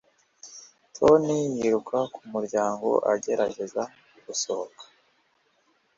Tom yiruka ku muryango agerageza gusohoka